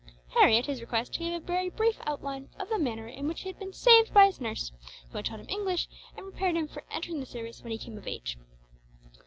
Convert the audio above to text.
Harry, at his request, gave a very brief outline of the manner in which he had been saved by his nurse, who had taught him English, and prepared him for entering the service when he came of age.